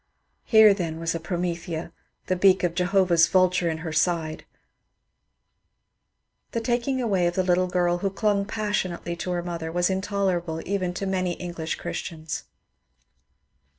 Here then was a Promethea — the beak of Jehovah's vul ture in her side ! The taking away of the little girl, who dung passionately to her mother, was intolerable even to many English Chris tians.